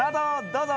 どうぞ。